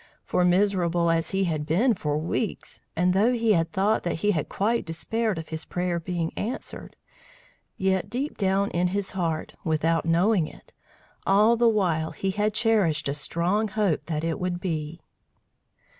For miserable as he had been for weeks, and though he had thought that he had quite despaired of his prayer being answered, yet deep down in his heart, without knowing it, all the while he had cherished a strong hope that it would be.